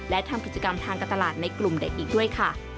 และทำกิจกรรมทางการตลาดในกลุ่มเด็กอีกด้วยค่ะ